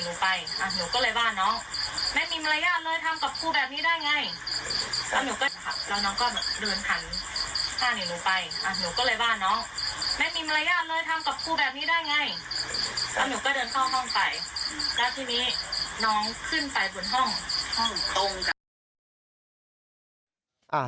แล้วหนูก็เดินเข้าห้องไปแล้วที่นี้น้องขึ้นไปบนห้องห้องตรงกัน